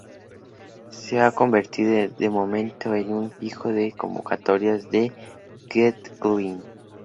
Se ha convertido, de momento, en un fijo en las convocatorias de Ged Glynn.